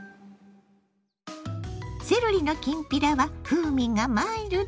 セロリのきんぴらは風味がマイルド。